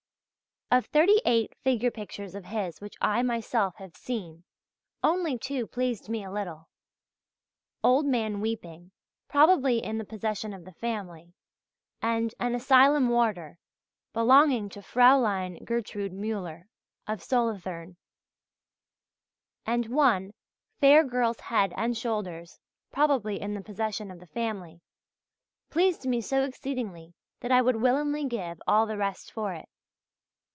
Of thirty eight figure pictures of his which I myself have seen, two only pleased me a little ("Old Man Weeping," probably in the possession of the family; and "An Asylum Warder," belonging to Frl. Gertrud Müller of Solothurn), and one ("Fair Girl's Head and Shoulders," probably in the possession of the family) pleased me so exceedingly that I would willingly give all the rest for it.